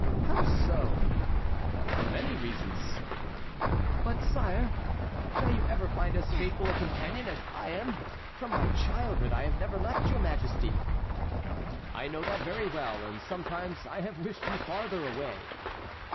"How so?" "For many reasons." "But, sire, shall you ever find as faithful a companion as I am? From my childhood I have never left your Majesty." "I know that very well; and sometimes I have wished you farther away."